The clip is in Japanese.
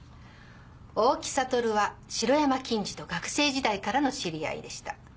大木悟は城山錦司と学生時代からの知り合いでした。